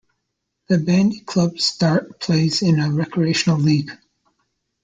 The bandy club Start plays in a recreational league.